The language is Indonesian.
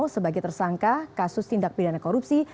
sebagai tersangka kasus tindak pidana korupsi